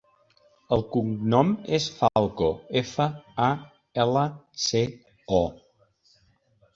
El cognom és Falco: efa, a, ela, ce, o.